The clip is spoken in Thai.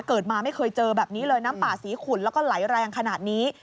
เกิดมาไม่เคยเจอแบบนี้เลยน้ำป่าสีขุนแล้วก็ไหลแรงขนาดนี้